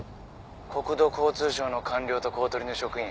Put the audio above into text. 国土交通省の官僚と公取の職員。